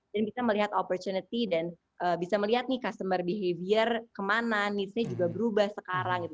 dan bisa melihat opportunity dan bisa melihat nih customer behavior kemana needs nya juga berubah sekarang gitu